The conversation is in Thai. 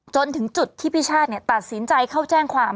จนถึงจุดที่พี่ชาติตัดสินใจเข้าแจ้งความ